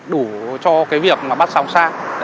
đủ cho cái việc mà bắt xong xa